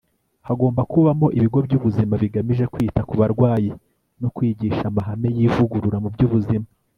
hagomba kubamo ibigo by'ubuzima bigamije kwita ku barwayi no kwigisha amahame y'ivugurura mu by'ubuzima